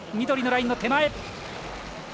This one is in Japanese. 緑のラインの手前。